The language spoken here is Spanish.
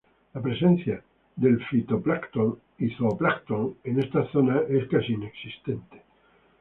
La presencia de fitoplancton y zooplancton en estas zonas es casi inexistente.